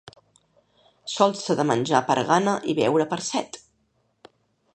Sols s'ha de menjar per gana i beure per set.